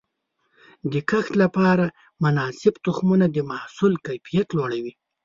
د کښت لپاره مناسب تخمونه د محصول کیفیت لوړوي.